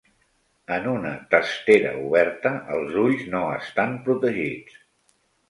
En una "testera oberta", els ulls no estan protegits.